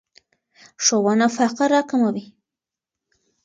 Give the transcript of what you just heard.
ښوونه فقر راکموي.